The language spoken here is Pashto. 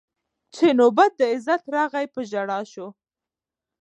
چي نوبت د عزت راغی په ژړا سو